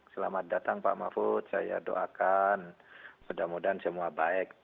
selamat datang pak mahfud saya doakan mudah mudahan semua baik